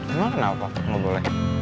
emang kenapa nggak boleh